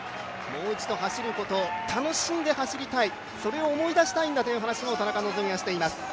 もう一度、走ること楽しんで走りたいそれを思い出したいんだという話も、田中希実はしています。